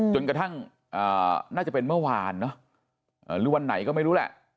จนกระทั่งน่าจะเป็นเมื่อวานเนอะหรือวันไหนก็ไม่รู้แหละ